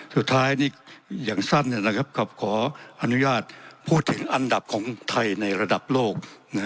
สุดท้ายนี่อย่างสั้นขออนุญาตพูดถึงอันดับของไทยในระดับโลก